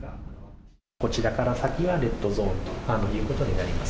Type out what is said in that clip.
こちらから先はレッドゾーンということになります。